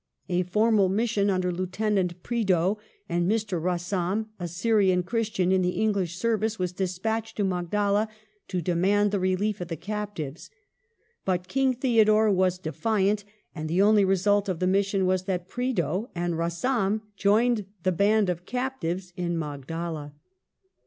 A formal mission under Lieutenant Prideaux and Mr. Rassam, a Syrian Christian in the English service, was despatched to Magdala to demand the relief of the captives. But King Theodore was de fiant, and the only result of the mission was that Prideaux and Rassam joined the band of captives in Magdala.